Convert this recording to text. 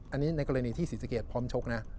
อันนี้ในกรณีที่ศรีสะเกดพร้อมชกนะ